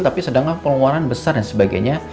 tapi sedangkan pengeluaran besar dan sebagainya